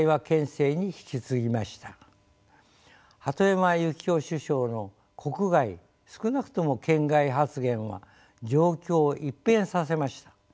鳩山由紀夫首相の「国外少なくとも県外」発言は状況を一変させました。